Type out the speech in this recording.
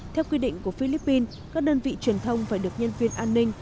theo quy định của philippines các đơn vị truyền thông phải được nhân viên an ninh